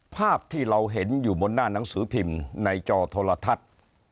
ภาพที่เราเห็นอยู่บนหน้าหนังสือพิมพ์ในจอโทรทัศน์